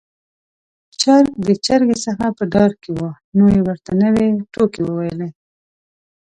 چرګ د چرګې څخه په ډار کې و، نو يې ورته نوې ټوکې وويلې.